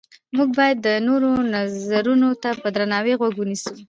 موږ باید د نورو نظرونو ته په درناوي غوږ ونیسو